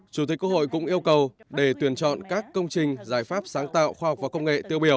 chủ tịch quốc hội cũng yêu cầu để tuyển chọn các công trình giải pháp sáng tạo khoa học và công nghệ tiêu biểu